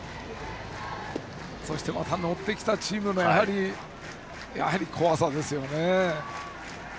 そして、乗ってきたチームの怖さですよね。